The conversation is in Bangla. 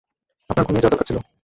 আপনার ঘুমিয়ে যাওয়া দরকার ছিল।